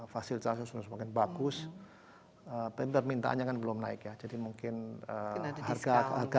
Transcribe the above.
fasilitas semakin bagus tapi permintaannya kan belum naik ya jadi mungkin harga harga